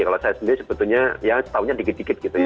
kalau saya sendiri sebetulnya setahunya dikit dikit gitu ya